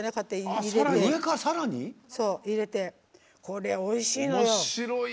これ、おいしいのよ。